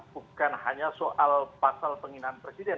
bukan hanya soal pasal penghinaan presiden